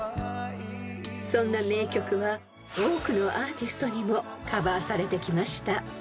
［そんな名曲は多くのアーティストにもカバーされてきました］